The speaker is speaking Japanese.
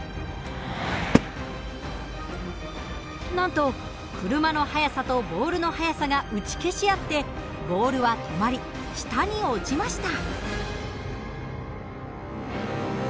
なんと車の速さとボールの速さが打ち消し合ってボールは止まり下に落ちました。